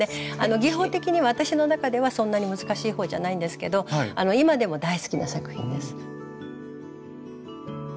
技法的には私の中ではそんなに難しいほうじゃないんですけど今でも大好きな作品です。